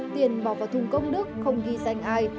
tiền bỏ vào thùng công đức không ghi danh ai